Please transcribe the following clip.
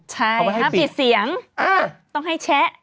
ใช่ต้องให้ปิดเสียงต้องให้แชะ